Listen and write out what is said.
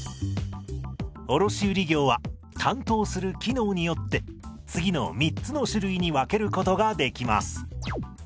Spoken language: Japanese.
卸売業は担当する機能によって次の３つの種類に分けることができます。